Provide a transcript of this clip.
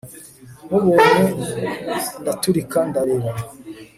mubonye ndaturika ndarira